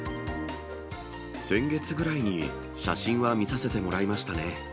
先月ぐらいに、写真は見させてもらいましたね。